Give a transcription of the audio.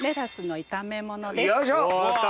よいしょ！